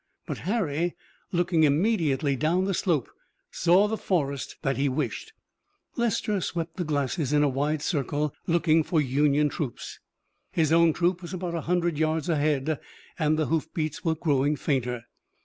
But Harry looking immediately down the slope, saw the forest that he wished. Lester swept the glasses in a wide circle, looking for Union troops. His own troop was about a hundred yards ahead and the hoofbeats were growing fainter.